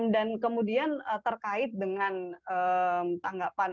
dan kemudian terkait dengan tanggapan